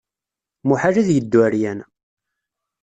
Muḥal ad yeddu ɛeryan.